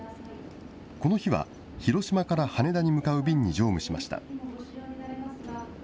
この日は、広島から羽田に向かう便に乗務しました。